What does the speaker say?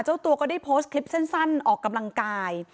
เจ้าตัวก็ได้โพสต์คลิปสั้นออกกำลังกาย